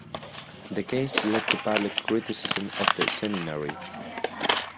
The case led to public criticism of the seminary.